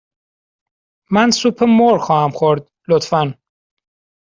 من سوپ مرغ خواهم خورد، لطفاً.